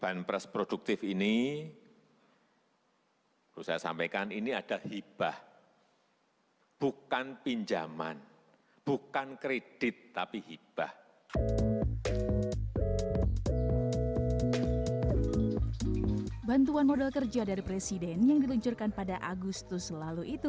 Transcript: bahan press produktif yaitu untuk tambahan modal kerja bagi usaha mikro dan kecil